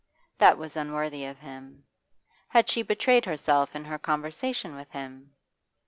That was unworthy of him. Had she betrayed herself in her conversation with him?